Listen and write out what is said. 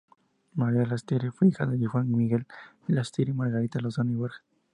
María Lastiri, fue hija de Juan Miguel Lastiri y Margarita Lozano y Borjas.